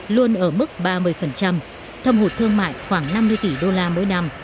luôn ở mức ba mươi thâm hụt thương mại khoảng năm mươi tỷ đô la mỗi năm